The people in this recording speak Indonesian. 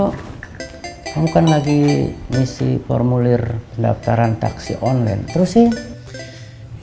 kamu bukan lagi misi formulir pendaftaran taksi online terus sih